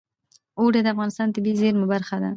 اوړي د افغانستان د طبیعي زیرمو برخه ده.